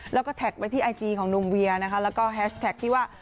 แล้วก็แท็กไว้ที่ไอจีของหนุ่มเวียนะคะแล้วก็แฮชแท็กที่ว่า